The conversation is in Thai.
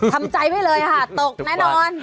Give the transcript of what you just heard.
ทำใจไว้เลยค่ะตกแน่นอน